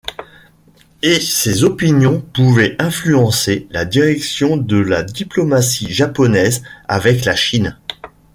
Et ses opinions pouvaient influencer la direction de la diplomatie japonaise avec la Chine.